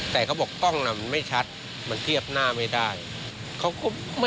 แต่ละครับตำรวจบอกว่าไม่ต้องโพสต์นะ